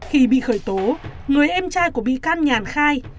khởi tố người em trai của bị can nhàn khai